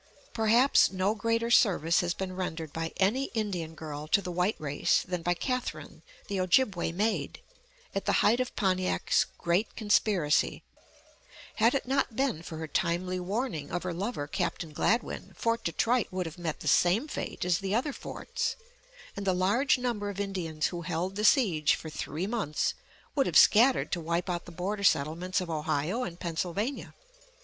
Perhaps no greater service has been rendered by any Indian girl to the white race than by Catherine, the Ojibway maid, at the height of Pontiac's great conspiracy. Had it not been for her timely warning of her lover, Captain Gladwyn, Fort Detroit would have met the same fate as the other forts, and the large number of Indians who held the siege for three months would have scattered to wipe out the border settlements of Ohio and Pennsylvania.